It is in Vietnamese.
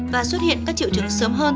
và xuất hiện các triệu chứng sớm hơn